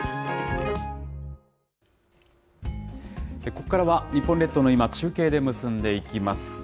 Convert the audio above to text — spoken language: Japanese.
ここからは日本列島の今、中継で結んでいきます。